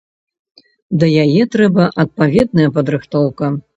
Да яе трэба адпаведная падрыхтоўка.